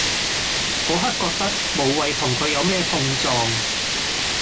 嗰刻覺得無謂同佢有咩碰撞